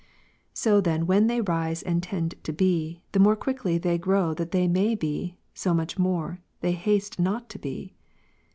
So then Avhen they rise and tend to be, the more, quickly they grow that they may be, so much the more they haste not to be.